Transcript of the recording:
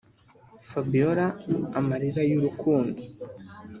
Fabiola (Amarira y’urukundo)